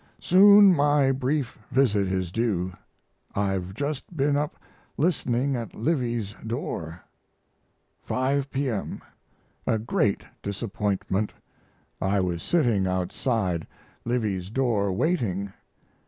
Soon my brief visit is due. I've just been up listening at Livy's door. 5 P.M. A great disappointment. I was sitting outside Livy's door waiting.